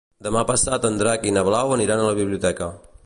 Demà passat en Drac i na Blau aniran a la biblioteca.